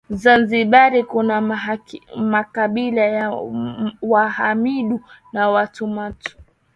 Zanzibar kuna makabila ya Wahamidu na Watumbatu